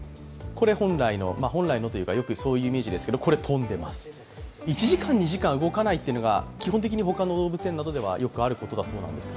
これ本来のというか、よくそういうイメージですけれどもこれ飛んでます、１時間、２時間動かないというのはほかの動物園ではよくあるそんだそうです。